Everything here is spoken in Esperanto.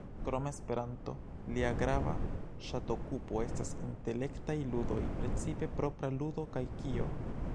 Krom Esperanto, lia grava ŝatokupo estas intelektaj ludoj, precipe "Propra ludo" kaj "Kio?